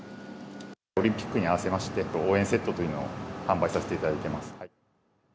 オリンピックに合わせまして、応援セットというのを販売させていただいてます。